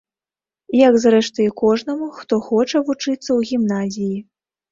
Як, зрэшты, і кожнаму, хто хоча вучыцца ў гімназіі.